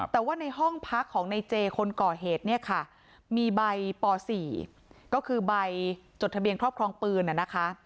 แต่ว่าในห้องพักของในเจคนก่อเหตุเนี่ยค่ะมีใบป๔ก็คือใบจดทะเบียนครอบครองปืนนะคะ